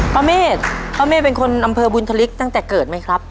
เมฆป้าเมฆเป็นคนอำเภอบุญธลิกตั้งแต่เกิดไหมครับ